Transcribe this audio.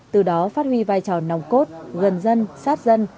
từ đó phát huy vai trò nòng cốt gần dân sát dân